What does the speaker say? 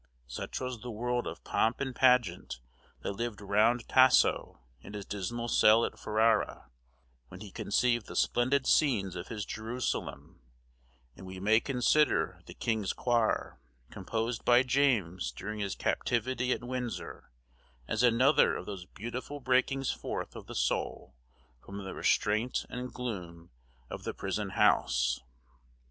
Such was the world of pomp and pageant that lived round Tasso in his dismal cell at Ferrara, when he conceived the splendid scenes of his Jerusalem; and we may consider The King's Quair,* composed by James during his captivity at Windsor, as another of those beautiful breakings forth of the soul from the restraint and gloom of the prison house.